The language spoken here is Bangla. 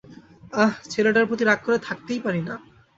আহ, ছেলেটার প্রতি রাগ করে থাকতেই পারি না।